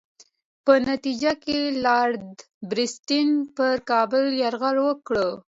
په نتیجه کې لارډ رابرټس پر کابل یرغل وکړ.